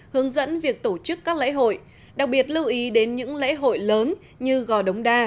hướng dẫn việc tổ chức các lễ hội đặc biệt lưu ý đến những lễ hội lớn như gò đống đa